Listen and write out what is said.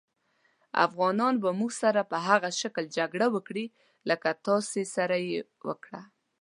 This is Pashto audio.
افغانان به زموږ سره په هغه شکل جګړه وکړي لکه ستاسې سره یې وکړه.